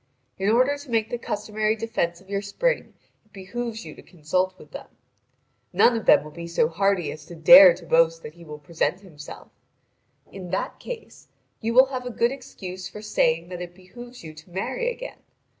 In order to make the customary defence of your spring it behoves you to consult with them. None of them will be so hardy as to dare to boast that he will present himself. In that case you will have a good excuse for saving that it behoves you to marry again.